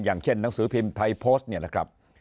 อย่างเช่นหนังสือพิมพ์ไทยโพสต์นี่แหละครับ